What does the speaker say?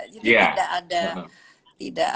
jadi tidak ada